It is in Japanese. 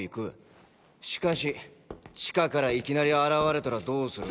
しかしーー地下からいきなり現れたらどうする？